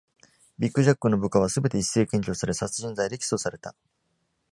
ビッグジャックの部下はすべて一斉検挙され、殺人罪で起訴された。